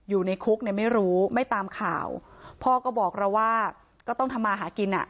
อยู่ในคุกเนี่ยไม่รู้ไม่ตามข่าวพ่อก็บอกเราว่าก็ต้องทำมาหากินอ่ะ